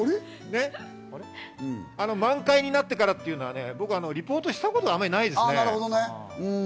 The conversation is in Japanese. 満開になってからっていうのは僕リポートしたことあんまりないですね。